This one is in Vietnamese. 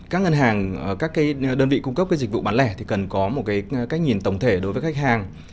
các ngân hàng các đơn vị cung cấp dịch vụ bán lẻ thì cần có một cái cách nhìn tổng thể đối với khách hàng